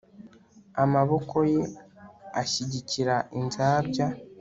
Amaboko ye ashyigikira inzabya